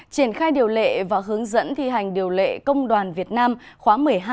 triển khai điều lệ và hướng dẫn thi hành điều lệ công đoàn việt nam khóa một mươi hai